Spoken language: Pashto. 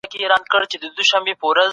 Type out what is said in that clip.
د کندهار شاعران هم نامیان دي.